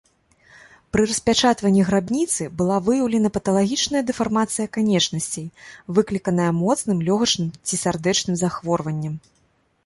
Пры распячатванні грабніцы была выяўлена паталагічная дэфармацыя канечнасцей, выкліканая моцным лёгачным ці сардэчным захворваннем.